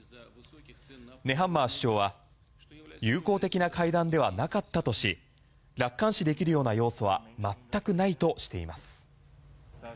ネハンマー首相は友好的な会談ではなかったとし楽観視できるような要素は全くないとしています。